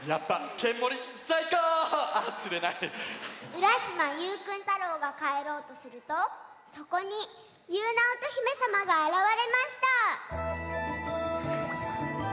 うらしまゆうくん太郎がかえろうとするとそこにゆうなおとひめさまがあらわれました！